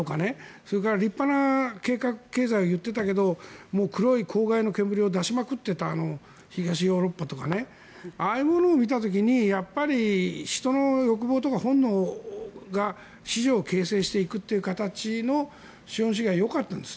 それから立派な経済を言っていたけど黒い公害の煙を出しまくっていた東ヨーロッパとかああいうものを見た時にやっぱり人の欲望とか本能が市場を形成していくという形の資本主義はよかったんです。